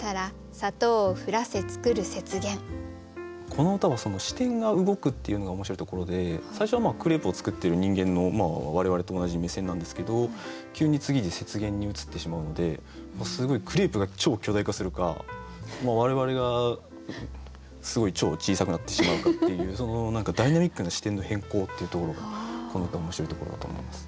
この歌は視点が動くっていうのが面白いところで最初はクレープを作ってる人間の我々と同じ目線なんですけど急に次で雪原に移ってしまうのですごいクレープが超巨大化するか我々がすごい超小さくなってしまうかっていうそのダイナミックな視点の変更っていうところがこの歌の面白いところだと思います。